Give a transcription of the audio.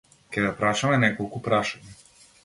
Ќе ве прашаме неколку прашања.